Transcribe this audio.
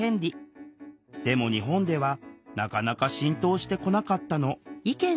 でも日本ではなかなか浸透してこなかったの。